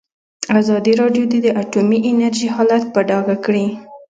ازادي راډیو د اټومي انرژي حالت په ډاګه کړی.